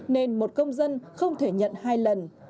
nên một công dân không thể nhận hai lần